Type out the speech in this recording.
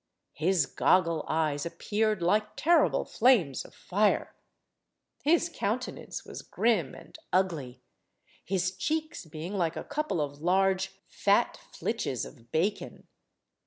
His goggle eyes appeared like terrible flames of fire. His countenance was grim and ugly, his cheeks being like a couple of large fat flitches of bacon.